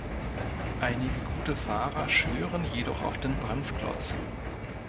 Einige gute Fahrer schwören jedoch auf den Bremsklotz.